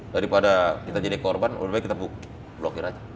daripada kita jadi korban lebih baik kita blokir aja